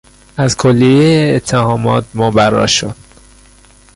از کلیه اتهامات مبرا شد.